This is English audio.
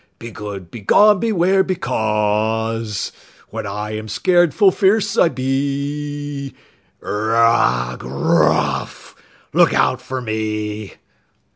Be good! Begone! Beware! Becoz When I am scared full fierce I be; Br rah grr ruff, look out for me!